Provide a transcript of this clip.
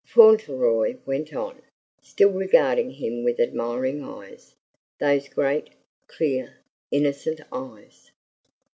Fauntleroy went on, still regarding him with admiring eyes those great, clear, innocent eyes!